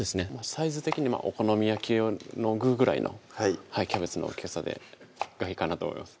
サイズ的にお好み焼き用の具ぐらいのキャベツの大きさがいいかなと思います